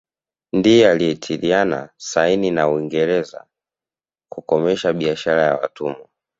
Ndiye alitiliana saini na Uingereza kukomesha biashara ya watumwa